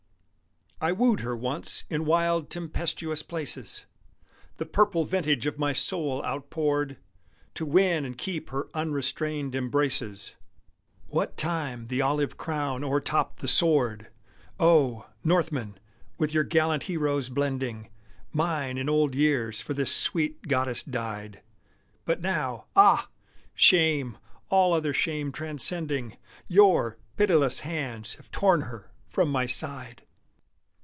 I wooed her once in wild tempestuous places, The purple vintage of my soul outpoured, To win and keep her unrestrained embraces, What time the olive crown o'ertopped the sword; Oh! northmen, with your gallant heroes blending, Mine, in old years, for this sweet goddess died; But now ah! shame, all other shame transcending! Your pitiless hands have torn her from my side.